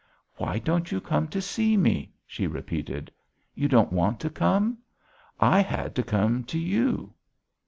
"Why don't you come to see me?" she repeated. "You don't want to come? I had to come to you."